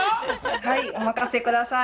はいお任せ下さい。